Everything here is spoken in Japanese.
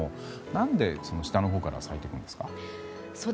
なぜ下のほうから咲いていくんですか？